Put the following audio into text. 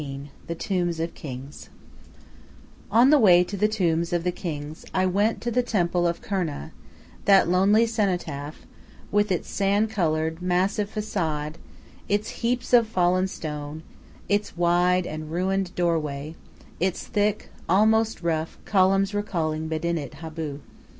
XIII THE TOMBS OF THE KINGS On the way to the tombs of the kings I went to the temple of Kurna, that lonely cenotaph, with its sand colored massive façade, its heaps of fallen stone, its wide and ruined doorway, its thick, almost rough, columns recalling Medinet Abu.